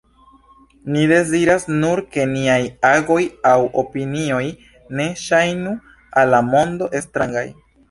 Ni deziras nur ke niaj agoj aŭ opinioj ne ŝajnu al la mondo strangaj.